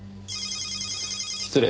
失礼。